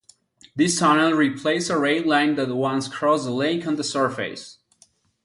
This tunnel replaced a rail line that once crossed the lake on the surface.